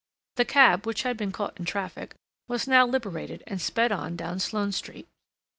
The cab, which had been caught in the traffic, was now liberated and sped on down Sloane Street.